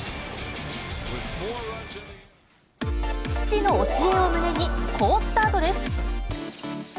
父の教えを胸に、好スタートです。